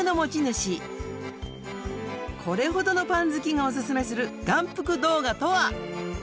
これほどのパン好きがオススメする眼福動画とは？